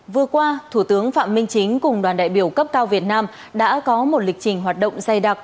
vừa qua thủ tướng phạm minh chính cùng đoàn đại biểu cấp cao việt nam đã có một lịch trình hoạt động dày đặc